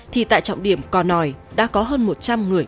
thì tại trọng điểm cò nòi đã có hơn một trăm linh người